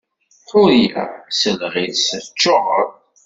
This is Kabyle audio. Ḥuriya, sseleɣ-itt teččuṛ!